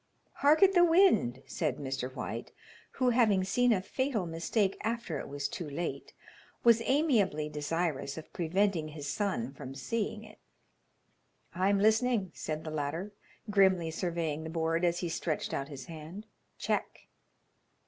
"Hark at the wind," said Mr. White, who, having seen a fatal mistake after it was too late, was amiably desirous of preventing his son from seeing it. "I'm listening," said the latter, grimly surveying the board as he stretched out his hand. "Check."